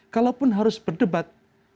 kalaupun harus berdebat